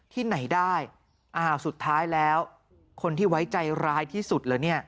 ที่ไหนได้สุดท้ายแล้วคนที่ไว้ใจร้ายที่สุด